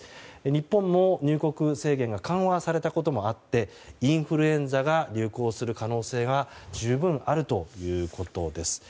日本も入国制限が緩和されたこともあってインフルエンザが流行する可能性が十分あるということです。